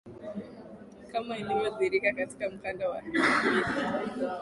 kama lilivyodhihirika katika mkanda wa video